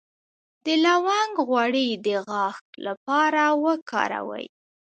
د لونګ غوړي د غاښ لپاره وکاروئ